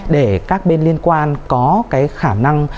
để các bên liên quan có cái khả năng